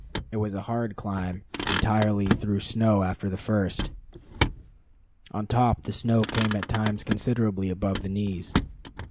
It was a hard climb, entirely through snow after the first. On top the snow came at times considerably above the knees.